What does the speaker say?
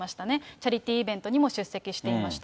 チャリティーイベントにも出席されていました。